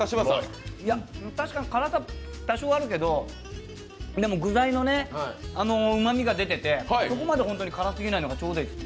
確かに辛さ多少あるけど具材のうまみが出ててそこまで辛すぎないのがちょうどいいです。